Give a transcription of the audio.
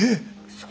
そう。